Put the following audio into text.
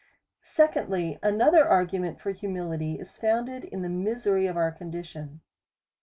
Secondly, Another argument for humility, is found ed in the misery of our condition.